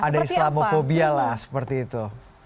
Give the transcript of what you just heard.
ada islamophobia lah seperti itu